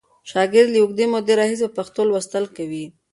شاګرد له اوږدې مودې راهیسې په پښتو لوستل کوي.